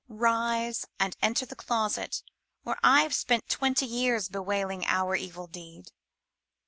Rise and enter the closet where I have spent twenty years bewailing our evil deed.